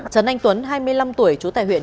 trấn anh tuấn hai mươi năm tuổi chú tại huyện